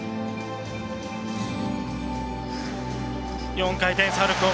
４回転サルコー。